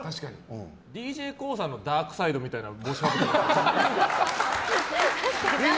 ＤＪＫＯＯさんのダークサイドみたいな帽子ですね。